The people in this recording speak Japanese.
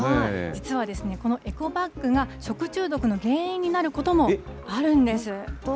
実はですね、このエコバッグが食中毒の原因になることもあるんです。